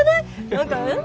何かうん？